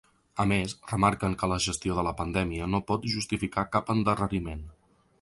A més, remarquen que la gestió de la pandèmia no pot justificar cap endarreriment.